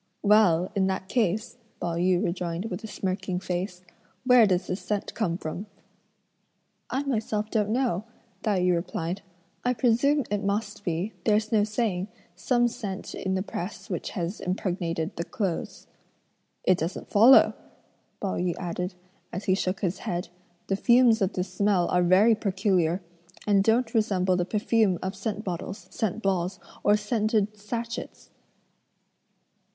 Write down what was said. "Well, in that case," Pao yü rejoined with a smirking face, "where does this scent come from?" "I myself don't know," Tai yü replied; "I presume it must be, there's no saying, some scent in the press which has impregnated the clothes." "It doesn't follow," Pao yü added, as he shook his head; "the fumes of this smell are very peculiar, and don't resemble the perfume of scent bottles, scent balls, or scented satchets!"